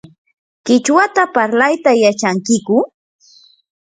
¿qichwata parlayta yachankiyku?